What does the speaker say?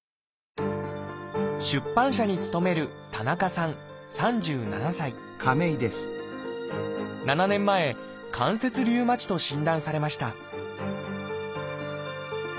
出版社に勤める７年前関節リウマチと診断されました